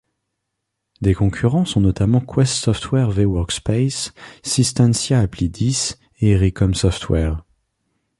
Des concurrents sont notamment Quest Software vWorkspace, Systancia AppliDis et Ericom Software.